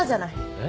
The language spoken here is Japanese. え？